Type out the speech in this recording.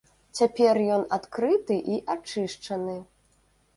Цяпер ён адкрыты і ачышчаны.